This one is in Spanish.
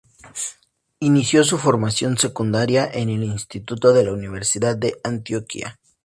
Inició su formación secundaria en el Instituto de la Universidad de Antioquia.